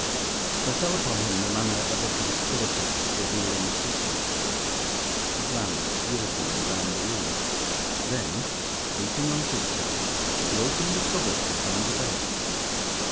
There fell upon him the manner of a conspirator revealing secrets. He glanced guiltily round the room; then, creeping on tip toe, he opened a cupboard behind the bed.